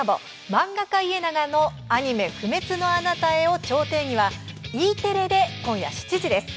「漫画家イエナガの「アニメ・不滅のあなたへ」を超定義」はＥテレで今夜７時です。